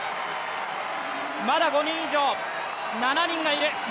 まだ５人以上、７人がいる。